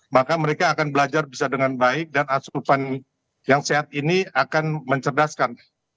maka mereka akan belajar bisa dengan baik dan asupan yang sehat ini akan mencerdaskan